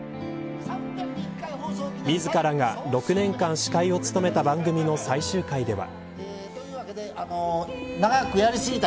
自らが６年間司会を務めた番組の最終回では。